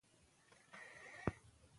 لعل د افغانستان د ځمکې د جوړښت نښه ده.